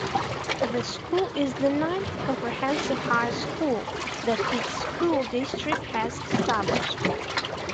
The school is the ninth comprehensive high school that its school district has established.